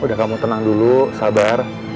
udah kamu tenang dulu sabar